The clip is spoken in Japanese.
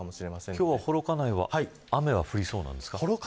今日は幌加内は雨は降りそうなんですか。